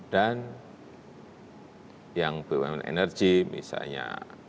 dan yang bumn energi misalnya